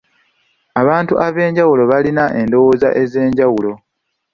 Abantu abenjawulo balina endowooza ezenjawulo.